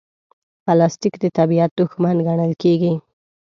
پلاستيک د طبیعت دښمن ګڼل کېږي.